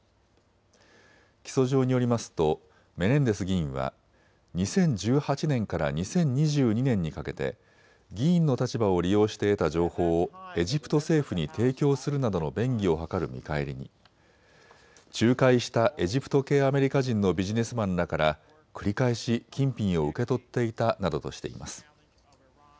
起訴状によりますとメネンデス議員は２０１８年から２０２２年にかけて議員の立場を利用して得た情報をエジプト政府に提供するなどの便宜を図る見返りに仲介したエジプト系アメリカ人のビジネスマンらから繰り返し金品を受け取っていたなどとしています。